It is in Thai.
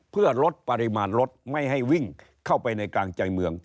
เพื่อลดปริมาณรถไม่ให้วิ่งเข้าไปในกลางใจเมือง